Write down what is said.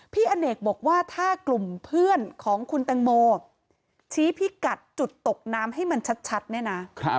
พี่อเนกตกน้ำให้มันชัดเนี่ยนะ